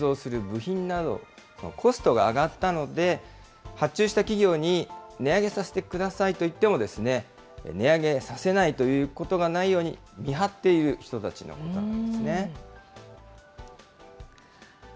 下請けが製造する部品などのコストが上がったので、発注した企業に値上げさせてくださいと言っても、値上げさせないということがないように見張っている人たちのこと